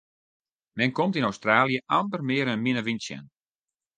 Men komt yn Australië amper mear in minne wyn tsjin.